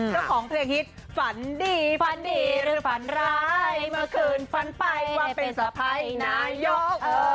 เจ้าของเพลงฮิตฝันดีฝันดีหรือฝันร้ายเมื่อคืนฝันไปความเป็นสะพ้ายนายก